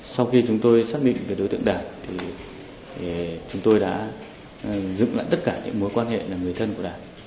sau khi chúng tôi xác định về đối tượng đạt thì chúng tôi đã dựng lại tất cả những mối quan hệ là người thân của đạt